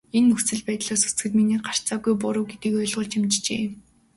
Энэ нөхцөл байдлаас үзэхэд миний гарцаагүй буруу гэдгийг ойлгуулж амжжээ.